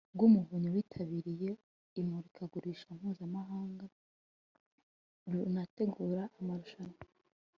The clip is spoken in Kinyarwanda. rw Umuvunyi rwitabiriye imurikagurisha mpuzamahanga runategura amarushanwa